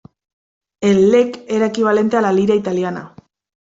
El lek era equivalente a la lira italiana.